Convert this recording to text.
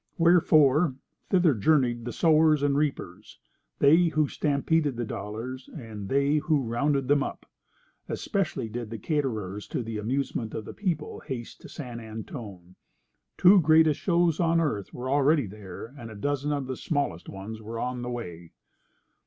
Wherefore, thither journeyed the sowers and the reapers—they who stampeded the dollars, and they who rounded them up. Especially did the caterers to the amusement of the people haste to San Antone. Two greatest shows on earth were already there, and dozens of smallest ones were on the way.